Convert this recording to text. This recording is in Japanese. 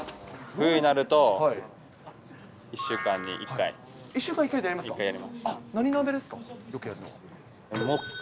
冬になると、１週間に１回食べますか？